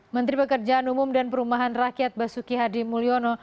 menteri pekerjaan umum dan perumahan rakyat basuki hadi mulyono